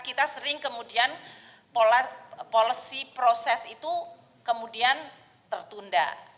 kita sering kemudian policy proses itu kemudian tertunda